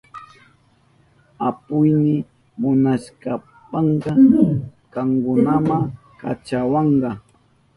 Apuyni munashpanka kankunama kachawanka.